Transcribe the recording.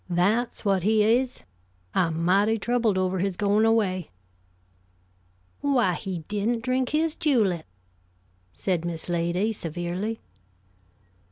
That's what he is. I'm mighty troubled over his going away." "Why, he didn't drink his julep!" said Miss Lady, severely.